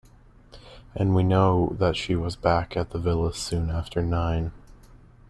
And we know that she was back at the villa soon after nine.